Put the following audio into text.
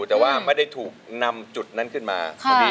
แต่ว่าไม่ได้ถูกนำจุดนั้นขึ้นมา